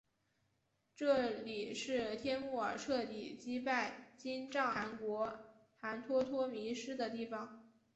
这里是帖木儿彻底击败金帐汗国汗脱脱迷失的地方。